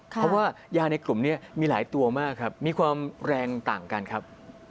เพราะว่ายาในกลุ่มนี้มีหลายตัวมากครับมีความแรงต่างกันครับ